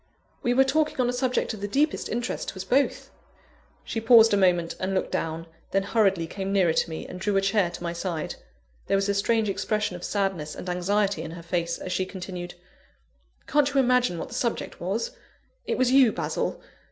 We were talking on a subject of the deepest interest to us both." She paused a moment, and looked down; then hurriedly came nearer to me, and drew a chair to my side. There was a strange expression of sadness and anxiety in her face, as she continued: "Can't you imagine what the subject was? It was you, Basil.